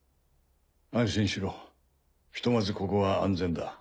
安心しろひとまずここは安全だ。